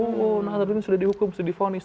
nah nazarudin sudah dihukum sudah difonis